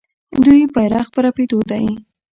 د دوی بیرغ په رپیدو دی.